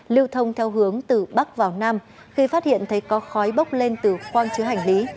lưu thông theo hướng từ bắc vào nam khi phát hiện thấy có khói bốc lên từ khoang chứa hành lý